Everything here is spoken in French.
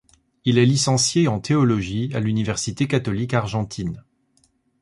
Il est licencié en théologie à l'université catholique argentine.